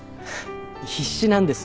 必死なんです。